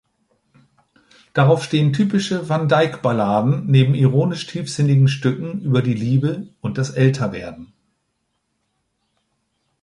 Darauf stehen typische van-Dyke-Balladen neben ironisch-tiefsinnigen Stücken über die Liebe und das Älterwerden.